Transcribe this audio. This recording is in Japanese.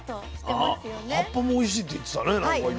葉っぱもおいしいって言ってたねなんか今。